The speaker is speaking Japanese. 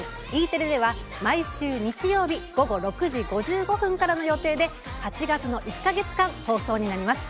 Ｅテレでは、毎週日曜日午後６時５５分からの予定で８月の１か月間、放送になります。